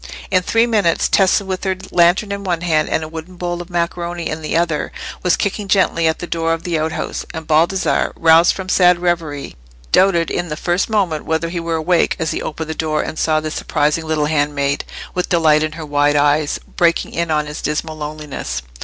In three minutes Tessa with her lantern in one hand and a wooden bowl of macaroni in the other, was kicking gently at the door of the outhouse; and Baldassarre, roused from sad reverie, doubted in the first moment whether he were awake as he opened the door and saw this surprising little handmaid, with delight in her wide eyes, breaking in on his dismal loneliness.